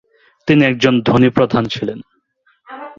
তিনি একজন ধনী প্রধান ছিলেন।